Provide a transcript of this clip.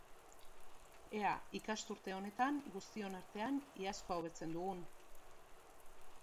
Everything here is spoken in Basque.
Ea ikasturte honetan, guztion artean, iazkoa hobetzen dugun!